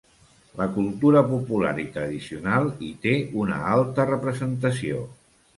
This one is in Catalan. La cultura popular i tradicional hi té una alta representació.